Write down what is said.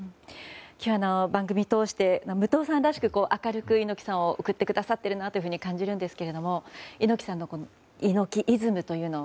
今日の番組を通して武藤さんらしく明るく、猪木さんを送ってくださっているなと感じるんですけれども猪木さんの猪木イズムというもの